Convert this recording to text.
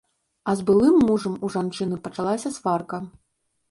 А з былым мужам у жанчыны пачалася сварка.